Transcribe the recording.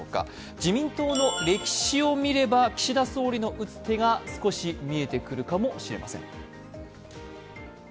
自民党の歴史を見れば岸田総理の打つ手が少し見えてくるかもしれません。